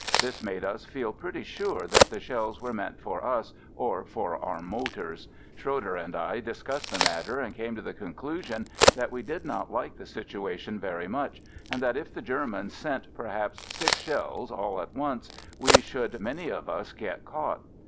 This made us feel pretty sure that the shells were meant for us or for our motors. Schroeder and I discussed the matter, and came to the conclusion that we did not like the situa 72 AMERICAN AMBULANCE 1 tion very much, and that if the Germans sent perhaps six shells, all at once, we should many of us get caught.